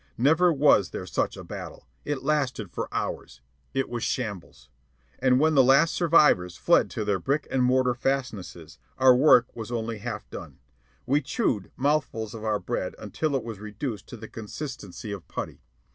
Never was there such a battle. It lasted for hours. It was shambles. And when the last survivors fled to their brick and mortar fastnesses, our work was only half done. We chewed mouthfuls of our bread until it was reduced to the consistency of putty.